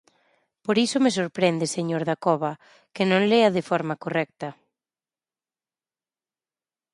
Por iso me sorprende, señor Dacova, que non lea de forma correcta.